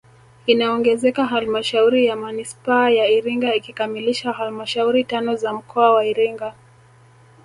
Inaongezeka halmashauri ya manispaa ya Iringa ikikamilisha halmashauri tano za mkoa wa Iringa